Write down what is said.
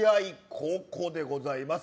後攻でございます。